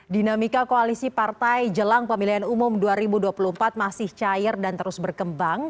dinamika koalisi partai jelang pemilihan umum dua ribu dua puluh empat masih cair dan terus berkembang